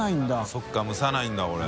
そうか蒸さないんだこれ。